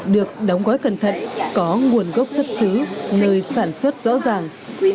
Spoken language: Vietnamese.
được đóng gói cẩn thận có nguồn gốc xuất xứ nơi sản xuất rõ ràng